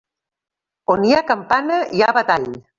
On hi ha campana, hi ha batall.